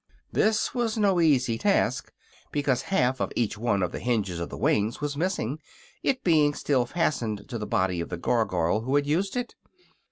This was no easy task, because half of each one of the hinges of the wings was missing, it being still fastened to the body of the Gargoyle who had used it.